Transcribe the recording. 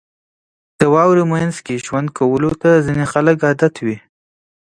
• د واورې مینځ کې ژوند کولو ته ځینې خلک عادت وي.